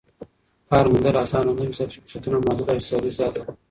کار موندل اسانه نه وي ځکه چې فرصتونه محدود او سیالي زياته ده.